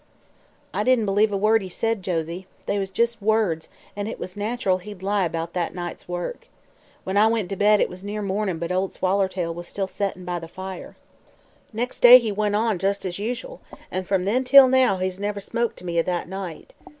"I didn't believe a word he said, Josie. They was jus' words, an' it was nat'ral he'd lie about that night's work. When I went to bed it was near mornin', but Ol' Swallertail was still sett'n' by the fire. "Nex' day he went on jus' as usual, an' from then till now he's never spoke to me of that night.